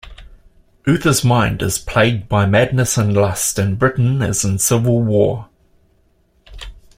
Uther's mind is plagued by madness and lust, and Britain is in civil war.